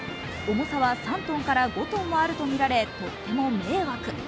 重さは３ｔから５ｔもあるとみられとっても迷惑。